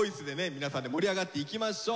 皆さんで盛り上がっていきましょう。